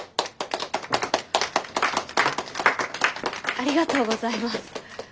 ありがとうございます。